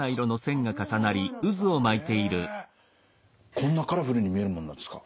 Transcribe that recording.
こんなカラフルに見えるものなんですか？